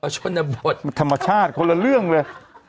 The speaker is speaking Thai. ชนบทธรรมชาติคนละเรื่องเลย